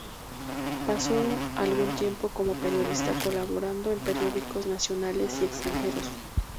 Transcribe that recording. Pasó algún tiempo como periodista colaborando en periódicos nacionales y extranjeros.